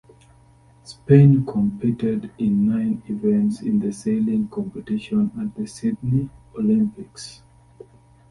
Spain competed in nine events in the Sailing competition at the Sydney Olympics.